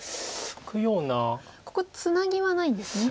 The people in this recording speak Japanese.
ここツナギはないんですね。